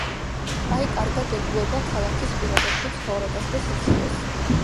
კაი კარგად ეგუება ქალაქის პირობებში ცხოვრებას და სიცივეს.